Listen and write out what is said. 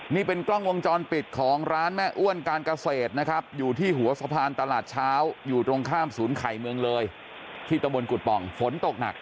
นี่เป็นกล้องวงจรปิดของร้านแม่อ้วนการเกษตรนะครับอยู่ที่หัวสะพานตลาดเช้าอยู่ตรงข้ามศูนย์ไข่เมืองเลยที่ตะบนกุฎป่องฝนตกหนัก